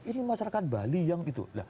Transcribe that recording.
ini masyarakat bali yang itu